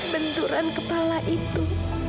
benturan kepala itu